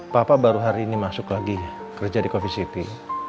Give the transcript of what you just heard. papa baru hari ini masuk lagi kerja di coffe city